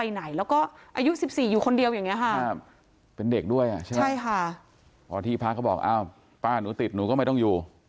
หนูก็ไม่ต้องอยู่